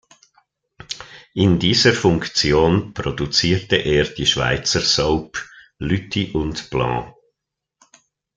In dieser Funktion produzierte er die Schweizer Soap „Lüthi und Blanc“.